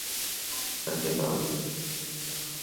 এটা ছিল আবু সুফিয়ানের স্ত্রী হিন্দার আওয়াজ।